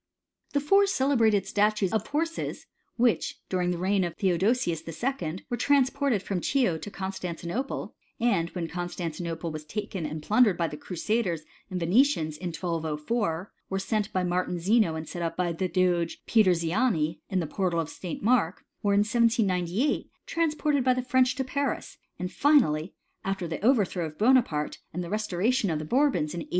The four celebrated statues of horses which, during the reign of Theodosius II. were transported from Ohio to Constantinople; and, when Constantinople was taken and plundered by the Crusaders and Vene tians in 1204, were sent by 'Martin Zeno and set up by the doge, Peter Ziani, in the portal of St. Mark ; were in 1798, transported by the French to Paris ; and finally, after the overthrow of Buonaparte, and the restoration of the Bourbons in 1815, returned to • Plinii Hist.